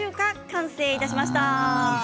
完成いたしました。